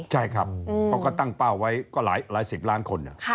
ใช่ครับเขาก็ตั้งเป้าไว้ก็หลายสิบล้านคน